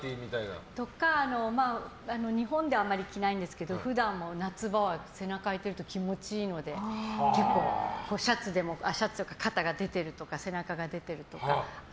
それとか日本ではあまり着ないんですけど普段も夏場は背中開いてると気持ちいいので結構シャツでも肩が出てるとか背中が出てるとか。